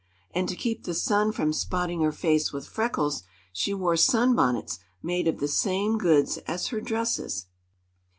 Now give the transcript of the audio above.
And to keep the sun from spotting her face with freckles, she wore sunbonnets made of the same goods as her dresses.